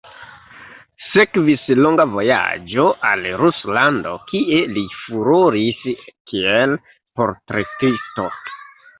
Sekvis longa vojaĝo al Ruslando kie li furoris kiel portretisto.